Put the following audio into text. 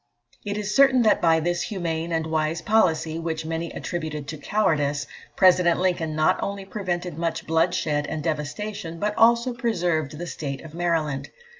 It is certain that by this humane and wise policy, which many attributed to cowardice, President Lincoln not only prevented much bloodshed and devastation, but also preserved the State of Maryland.